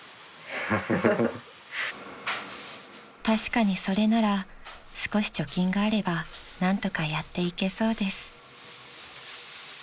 ［確かにそれなら少し貯金があれば何とかやっていけそうです］